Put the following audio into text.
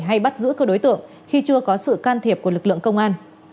hay bắt giữ cơ đối tượng khi chưa có sự can thiệp của lực lượng công an